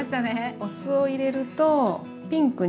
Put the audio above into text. お酢を入れるとピンクに。